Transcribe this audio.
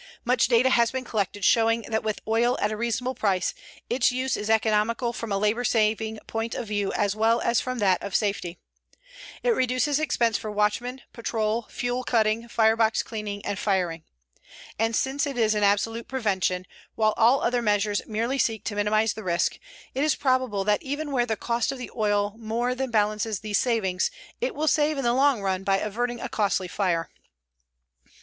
Much data has been collected showing that with oil at a reasonable price its use is economical from a labor saving point of view as well as from that of safety. It reduces expense for watchmen, patrol, fuel cutting, firebox cleaning and firing. And since it is an absolute prevention, while all other measures merely seek to minimize the risk, it is probable that even where the cost of the oil more than balances these savings it will save in the long run by averting a costly fire.